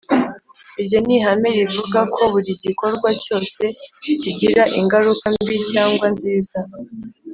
iryo ni ihame rivuga ko buri gikorwa cyose kigira ingaruka mbi cyangwa nziza